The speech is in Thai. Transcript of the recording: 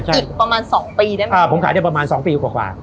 อีกประมาณสองปีได้ไหมอ่าผมขายได้ประมาณ๒ปีกว่า